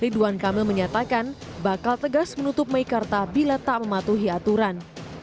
ridwan kamil menyatakan bakal tegas menutup meikarta bila tak mematuhi aturan